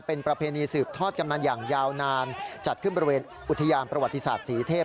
เป็นประเพณีสืบทอดกันมาอย่างยาวนานจัดขึ้นบริเวณอุทยานประวัติศาสตร์ศรีเทพ